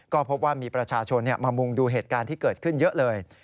ก็พบว่ามีประชาชนมามุงดูเหตุการณ์ที่เกิดขึ้นเยอะเลย